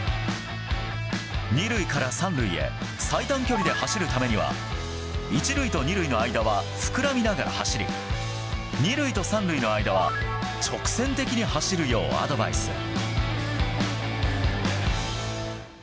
２塁から３塁へ最短距離で走るためには１塁と２塁の間は膨らみながら走り２塁と３塁の間は直線的に走るようアドバイス。